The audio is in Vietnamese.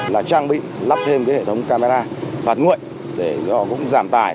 là trang bị lắp thêm hệ thống camera phạt nguội để giảm tài